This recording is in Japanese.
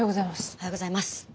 おはようございます。